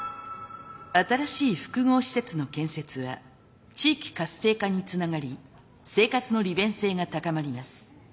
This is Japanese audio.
新しい複合施設の建設は地域活性化につながり生活の利便性が高まります。